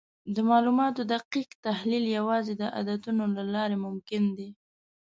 د معلوماتو دقیق تحلیل یوازې د عددونو له لارې ممکن دی.